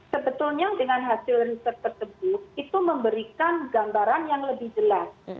sebetulnya dengan hasil riset tersebut itu memberikan gambaran yang lebih jelas